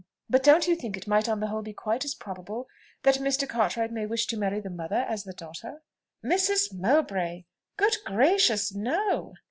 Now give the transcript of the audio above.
But don't you think it might on the whole be quite as probable that Mr. Cartwright may wish to marry the mother as the daughter?" "Mrs. Mowbray! Good gracious! no."